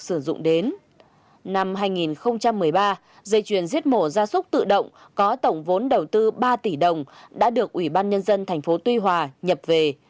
từ tháng tám năm hai nghìn một mươi ba dây chuyền giết mổ ra súc tự động có tổng vốn đầu tư ba tỷ đồng đã được ủy ban nhân dân tp tuy hòa nhập về